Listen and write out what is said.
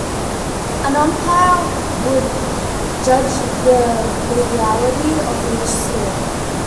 An umpire would judge the legality of each score.